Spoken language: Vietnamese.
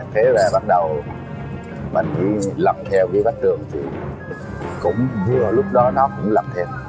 thế là bắt đầu mình đi lặn theo cái bắp trường thì cũng vừa lúc đó nó cũng lặn theo